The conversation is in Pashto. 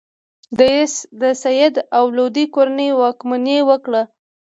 د سید او لودي کورنۍ واکمني وکړه.